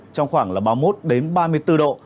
trong khoảng ba mươi một ba mươi bốn độ